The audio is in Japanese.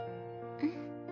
うん。